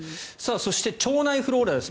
そして、腸内フローラです。